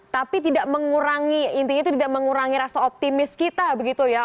tapi tidak mengurangi intinya itu tidak mengurangi rasa optimis kita begitu ya